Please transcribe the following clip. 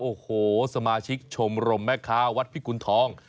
โอ้โหสมาชิกชมรมแม่ค้าวัดพิกุณฑอง